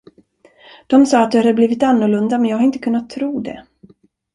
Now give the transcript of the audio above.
De sade att du hade blivit annorlunda men jag har inte kunnat tro det.